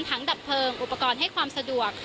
ดับเพลิงอุปกรณ์ให้ความสะดวก